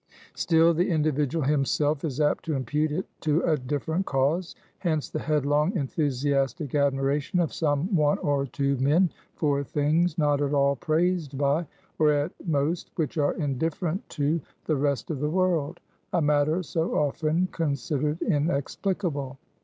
Still, the individual himself is apt to impute it to a different cause; hence, the headlong enthusiastic admiration of some one or two men for things not at all praised by or at most, which are indifferent to the rest of the world; a matter so often considered inexplicable.